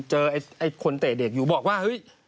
เจอคนเตะเด็กอยู่บอกว่า